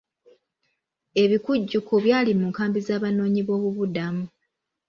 Ebikujjuko byali mu nkambi z'abanoonyiboobubudamu.